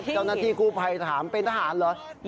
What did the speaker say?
จานนาที่กูไปถามเป็นทหารหรือ